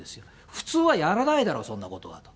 普通はやらないだろう、そんなことはと。